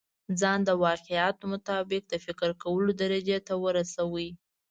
ځان د واقعيت مطابق د فکر کولو درجې ته ورسوي.